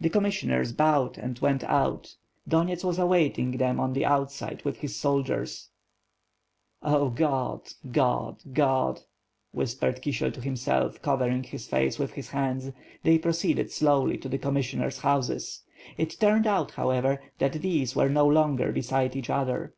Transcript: • The commissioners bowed and went out. Donyets was awaiting them on the outside with his soldiers. "0 QodI God! God!" whispered Kisiel to himself, cover 39 6io ^iTH FIRE AND SWORD. ing his face with his hands. They proceeded slowly to the commissioners' houses. It turned out, however, that these were no longer beside each other.